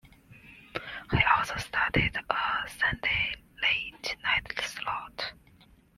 He also started a Sunday late night slot.